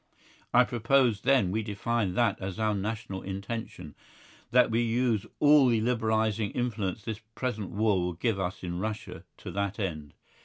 I propose then we define that as our national intention, that we use all the liberalising influence this present war will give us in Russia to that end.